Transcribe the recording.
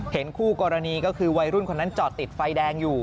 คู่กรณีก็คือวัยรุ่นคนนั้นจอดติดไฟแดงอยู่